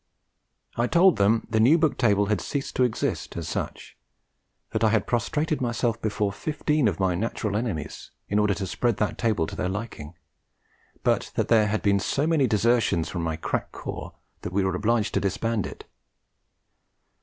I told them the New Book Table had ceased to exist as such; that I had prostrated myself before fifteen of my natural enemies, in order to spread that table to their liking; but that there had been so many desertions from my crack corps that we were obliged to disband it.